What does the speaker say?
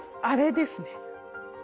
あれですね。